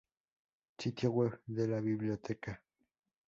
Sitio web de la biblioteca.